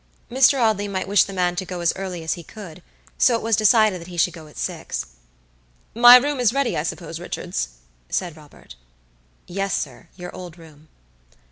Mr. Audley might wish the man to go as early as he could, so it was decided that he should go at six. "My room is ready, I suppose, Richards?" said Robert. "Yes, siryour old room."